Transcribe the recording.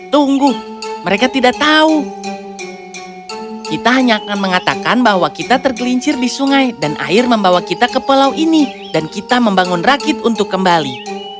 tunggu mereka tidak tahu kita hanya akan mengatakan bahwa kita tergelincir di sungai dan air membawa kita ke pulau ini dan kita membangun rakit untuk kembali